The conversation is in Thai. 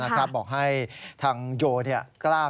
โยต้องกล้าภาษณ์อยากให้คุณผู้ชมได้ฟัง